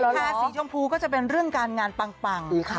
แพร่สีชมพูก็จะเป็นเรื่องการงานปัง